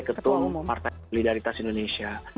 plt ketua partai solidaritas indonesia